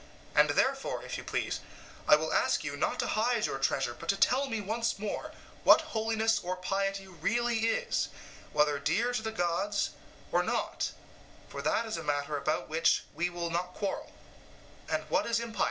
And therefore, if you please, I will ask you not to hide your treasure, but to tell me once more what holiness or piety really is, whether dear to the gods or not (for that is a matter about which we will not quarrel); and what is impiety?